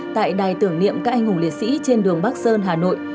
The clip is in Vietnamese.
tại đài tưởng niệm các anh hùng liệt sĩ trên đường bắc sơn hà nội